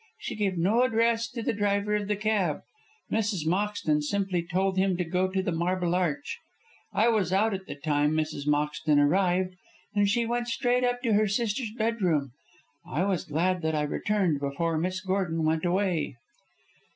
She gave no address to the driver of the cab. Mrs. Moxton simply told him to go to the Marble Arch. I was out at the time Mrs. Moxton arrived, and she went straight up to her sister's bedroom. I was glad that I returned before Miss Gordon went away."